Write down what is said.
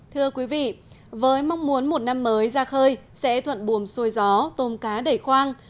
thưa quý vị với mong muốn một năm mới ra khơi sẽ thuận buồm xuôi gió tôm cá đầy khoang